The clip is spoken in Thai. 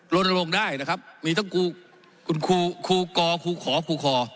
ลนลงได้นะครับมีทั้งครูกรครูขอครูคอ